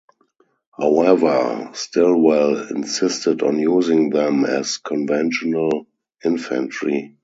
However, Stilwell insisted on using them as conventional infantry.